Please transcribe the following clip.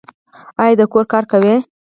ایا د کور کار کوي؟